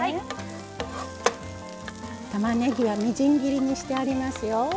たまねぎはみじん切りにしてありますよ。